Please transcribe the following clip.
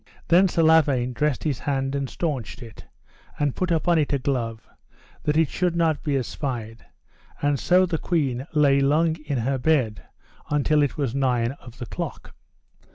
Then Sir Lavaine dressed his hand and staunched it, and put upon it a glove, that it should not be espied; and so the queen lay long in her bed until it was nine of the clock.